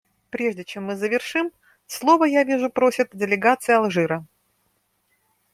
Прежде чем мы завершим, слова, я вижу, просит делегация Алжира.